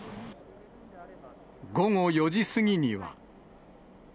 午後４時過ぎには。